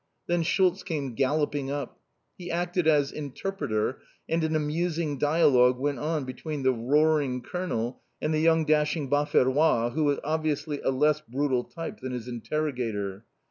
Then "Schultz" came galloping up. He acted as interpreter, and an amusing dialogue went on between the roaring Colonel and the young dashing "Baverois," who was obviously a less brutal type than his interrogator.